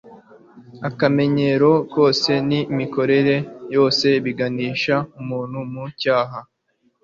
Akamenyero kose n'imikorere yose biganisha umuntu mu cyaha,